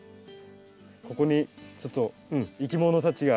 ここにちょっといきものたちが。